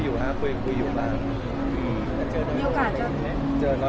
อ๋อน้องมีหลายคน